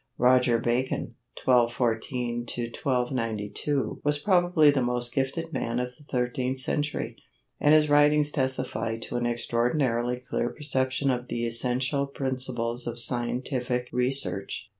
Roger Bacon (1214 1292) was probably the most gifted man of the thirteenth century, and his writings testify to an extraordinarily clear perception of the essential principles of scientific research.